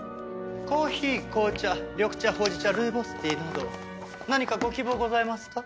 コーヒー紅茶緑茶ほうじ茶ルイボスティーなど何かご希望ございますか？